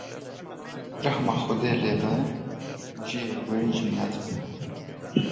Rehma Xwedê lê be, ciyê wê cinet be.